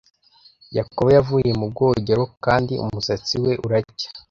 Yakobo yavuye mu bwogero kandi umusatsi we uracya.